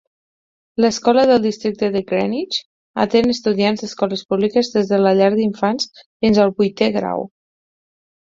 L'escola del districte de Greenwich atén estudiants d'escoles públiques des de la llar d'infants fins al vuitè grau.